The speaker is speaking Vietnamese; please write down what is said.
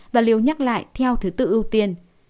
và liều nhắc lại theo thứ tự ưu tiên